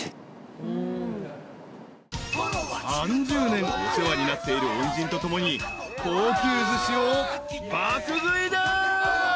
［３０年お世話になっている恩人と共に高級ずしを爆食いだ］